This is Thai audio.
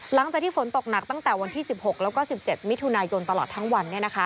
หลังจากที่ฝนตกหนักตั้งแต่วันที่๑๖แล้วก็๑๗มิถุนายนตลอดทั้งวัน